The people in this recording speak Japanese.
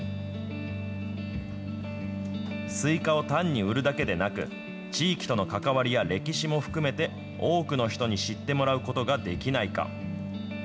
スイカを単に売るだけでなく、地域との関わりや歴史も含めて、多くの人に知ってもらうことができないか。